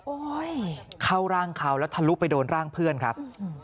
เข้าร่างเขาแล้วทะลุไปโดนร่างเพื่อนครับ